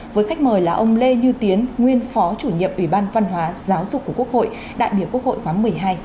với khách mời là ông lê như tiến nguyên phó chủ nhiệm ủy ban văn hóa giáo dục của quốc hội đại biểu quốc hội khoảng một mươi hai một mươi ba